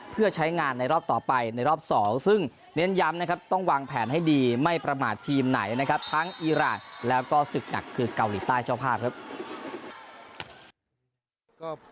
เพื่อใช้งานในรอบต่อไปในรอบ๒ซึ่งเน้นย้ำนะครับต้องวางแผนให้ดีไม่ประมาททีมไหนนะครับทั้งอีรานแล้วก็ศึกหนักคือเกาหลีใต้เจ้าภาพครับ